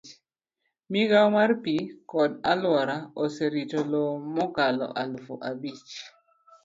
Migawo mar pi kod alwora oserito lowo mokalo aluf abich.